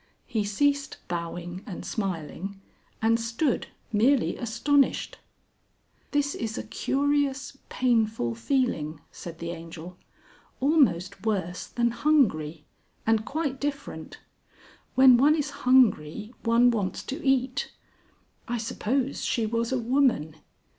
He ceased bowing and smiling, and stood merely astonished. "This is a curious painful feeling," said the Angel. "Almost worse than Hungry, and quite different. When one is hungry one wants to eat. I suppose she was a woman.